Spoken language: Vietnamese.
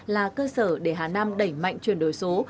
là cơ sở để hà nam đẩy mạnh chuyển đổi số